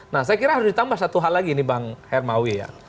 nah saya kira harus ditambah satu hal lagi nih bang hermawi ya